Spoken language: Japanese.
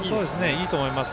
いいと思います。